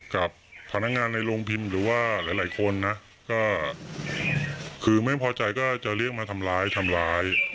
กับพนักงานในโรงพิมพ์หรือว่าหลายคนนะก็คือไม่พอใจก็จะเรียกมาทำร้ายทำร้าย